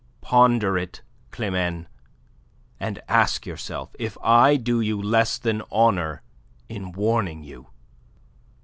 Ponder it, Climene, and ask yourself if I do you less than honour in warning you."